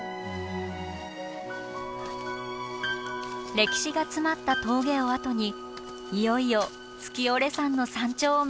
歴史が詰まった峠を後にいよいよ月居山の山頂を目指しましょう。